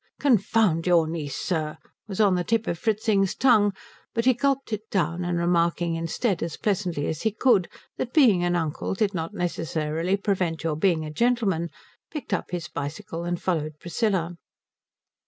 "Confound your niece, sir," was on the tip of Fritzing's tongue; but he gulped it down, and remarking instead as pleasantly as he could that being an uncle did not necessarily prevent your being a gentleman, picked up his bicycle and followed Priscilla.